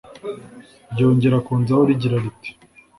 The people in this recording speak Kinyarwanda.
ryongera kunzaho rigira riti